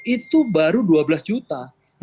itu baru dua belas juta